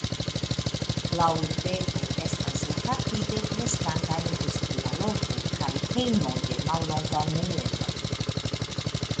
La urbego estas rapide kreskanta industria loko kaj hejmo de malnova muelejo.